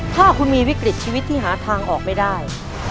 ถ้าคุณมีวิกฤตชีวิตที่หาทางออกไม่ได้